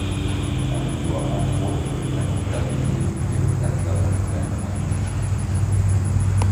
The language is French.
On lui doit entre-autres le Dakota Building et le Plaza Hotel à New York.